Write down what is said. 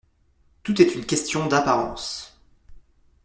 Tout est une question d’apparence.